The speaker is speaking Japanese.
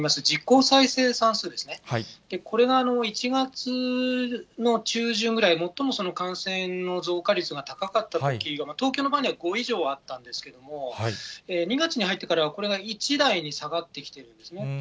実効再生産数ですね、これが１月の中旬ぐらい、最もその感染の増加率が高かったとき、東京の場合には５以上あったんですけれども、２月に入ってからは、これが１台に下がってきているんですね。